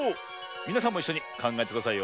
みなさんもいっしょにかんがえてくださいよ。